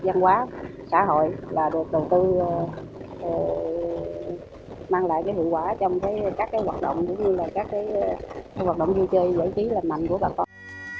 văn hóa xã hội được đầu tư mang lại hữu quả trong các hoạt động vui chơi giải trí lành mạnh của bà con